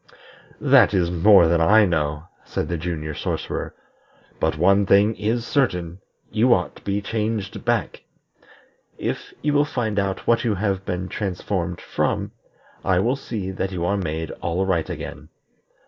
"That is more than I know," said the Junior Sorcerer. "But one thing is certain you ought to be changed back. If you will find out what you have been transformed from, I will see that you are made all right again.